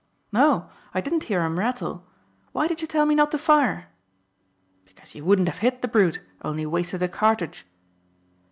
"No; I didn't hear him rattle. Why did you tell me not to fire?" "Because you wouldn't have hit the brute, only wasted a cartridge."